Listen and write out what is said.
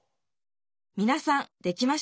みなさんできましたか？